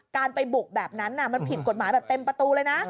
การไปบุกแบบนั้นมันผิดกฎหมายแบบเต็มประตูเลยนะ